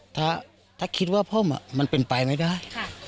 ถ้าคิดว่าพ่อมันเป็นไปไม่ได้